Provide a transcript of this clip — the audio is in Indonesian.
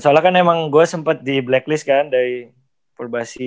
soalnya kan emang gue sempet di blacklist kan dari purbasi